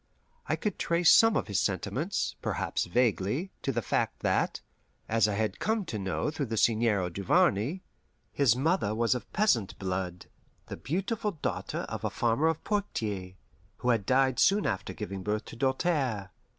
I could trace some of his sentiments, perhaps vaguely, to the fact that as I had come to know through the Seigneur Duvarney his mother was of peasant blood, the beautiful daughter of a farmer of Poictiers, who had died soon after giving birth to Doltaire.